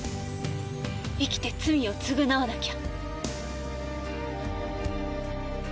生きて罪を償わなきゃ。